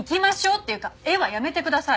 っていうか「えっ？」はやめてください。